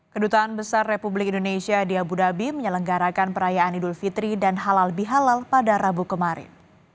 kedutaan besar republik indonesia di abu dhabi menyelenggarakan perayaan idul fitri dan halal bihalal pada rabu kemarin